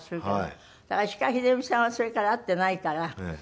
だから石川秀美さんはそれから会っていないから